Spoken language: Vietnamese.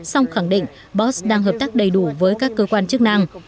song khẳng định bots đang hợp tác đầy đủ với các cơ quan chức năng